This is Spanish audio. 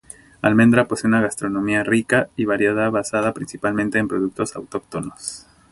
Almendra posee una gastronomía rica y variada basada principalmente en productos autóctonos.